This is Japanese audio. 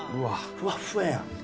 ふわっふわやん。